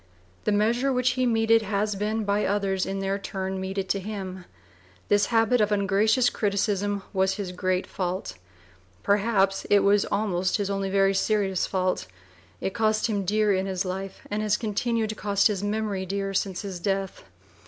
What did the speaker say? The measure which he meted has been by others in their turn meted to him. This habit of ungracious criticism was his great fault; perhaps it was almost his only very serious fault; it cost him dear in his life, and has continued to cost his memory dear since his death.